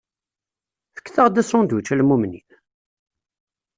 Fket-aɣ-d asandwič a lmumnin!